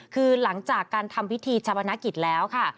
คือหลังจากการทำพิธีชาปนกิจแล้วค่ะ